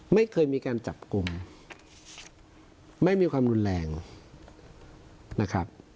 ไม่เคยมีการจับกลุ่มไม่มีความรุนแรงนะครับ